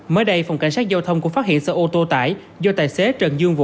mới đây phòng cảnh sát giao thông cũng phát hiện xe ô tô tải do tài xế trần dương vũ